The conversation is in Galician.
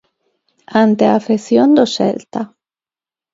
Ante a afección do Celta.